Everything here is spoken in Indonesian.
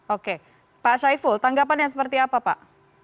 oke pak syaiful tanggapan yang seperti apa pak